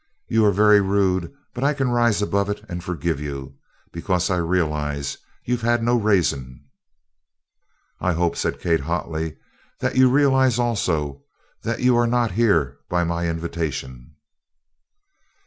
You are very rude, but I can rise above it and forgive you, because I realize you've had no raising." "I hope," said Kate hotly, "that you realize also that you are not here by my invitation."